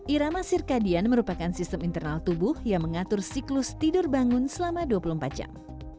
irama sirkadian merupakan sistem internal tubuh yang mengatur siklus tidur bangun selama dua puluh empat jam